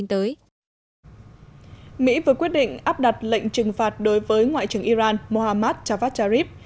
mỹ vừa quyết định áp đặt lệnh trừng phạt đối với ngoại trưởng iran mohammad javad jarib